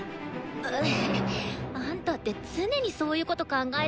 えあんたって常にそういうこと考えてるの？